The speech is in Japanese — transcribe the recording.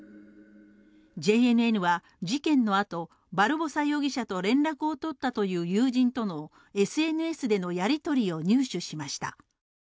ＪＮＮは事件のあと、バルボサ容疑者と連絡をとったという友人とのＳＮＳでのやりとりを入手しました。